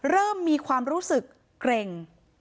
เริ่มมีความรู้สึกเกร็ง